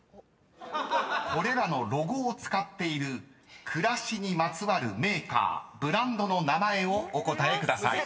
［これらのロゴを使っている暮らしにまつわるメーカー・ブランドの名前をお答えください］